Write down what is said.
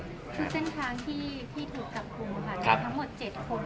ครับเส้นทางที่ที่ถึงกับครับฮะครับทั้งหมดเจ็ดคน